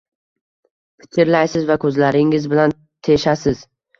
Pichirlaysiz va ko‘zlaringiz bilan teshasiz.